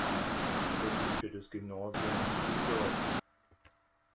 Er besuchte das Gymnasium in Stuttgart.